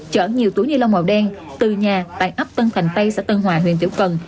chở nhiều túi nilong màu đen từ nhà tại ấp tân thành tây xã tân hòa huyện tiểu cần